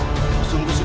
dan menjaga dorongan